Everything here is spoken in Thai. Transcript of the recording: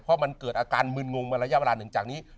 เพราะมันเกิดอาการมึนงงมาระยะเวลาหนึ่งจากนี้